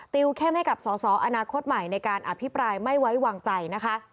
ติวเข้มให้กับสอสออนาคตใหม่ในการอภิปรายไม่ไว้วางใจนะคะ